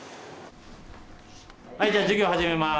はいじゃあ授業始めます。